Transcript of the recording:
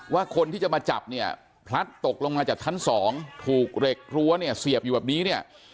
คนที่จะมาจับเนี่ยพลัดตกลงมาจากชั้นสองถูกเหล็กรั้วเนี่ยเสียบอยู่แบบนี้เนี่ย